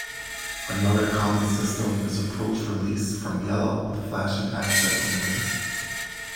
Another common system is approach release from yellow with flashing aspects in rear.